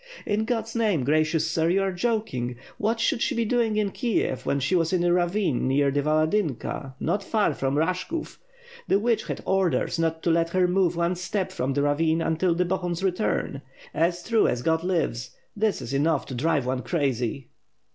"In God's name, gracious sir, you are joking! What should she be doing in Kiev, when she was in the ravine near 634 ^^'^^^^^^^^^ SWORD. the Valadynka not far from Eashkov. The witch had orders not to let her move one step from the ravine, until Bohun's return. As true as God lives! This is enough to drive one crazy."